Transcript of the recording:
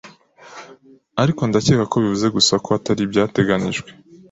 Ariko ndakeka ko bivuze gusa ko atari ibyateganijwe